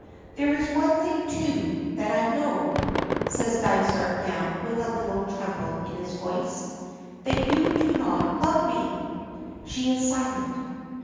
"There is one thing, too, that I know," says Dysart now with a little tremble in his voice, "that you do not love me!" She is silent.